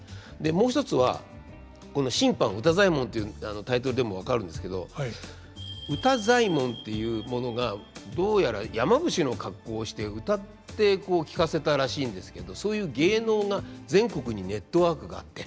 もう一つはこの「新版歌祭文」ていうタイトルでも分かるんですけど「歌祭文」というものがどうやら山伏の格好をして歌ってこう聞かせたらしいんですけどそういう芸能が全国にネットワークがあって。